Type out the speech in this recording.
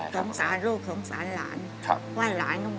แต่เงินมีไหม